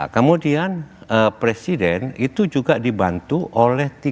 kemudian presiden itu juga dibantu oleh tiga puluh empat kementerian